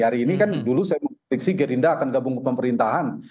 hari ini kan dulu saya mempriksi gerindra akan gabung ke pemerintahan